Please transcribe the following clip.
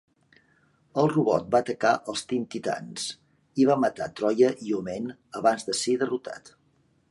El robot va atacar els Teen Titans i va matar Troia i Omen abans de ser derrotat.